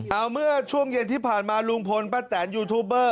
เอาเมื่อช่วงเย็นที่ผ่านมาลุงพลป้าแตนยูทูบเบอร์